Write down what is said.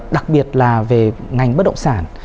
đặc biệt là về ngành bất động sản